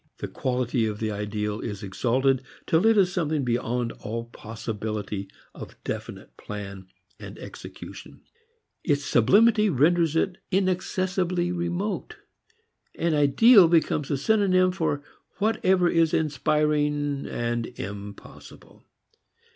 The quality of the ideal is exalted till it is something beyond all possibility of definite plan and execution. Its sublimity renders it inaccessibly remote. An ideal becomes a synonym for whatever is inspiring and impossible.